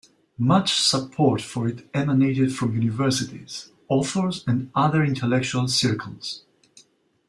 Much support for it emanated from universities, authors and other intellectual circles.